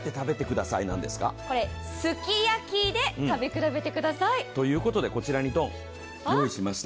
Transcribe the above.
これ、すき焼きで食べ比べてください。ということで、こちらに用意しました。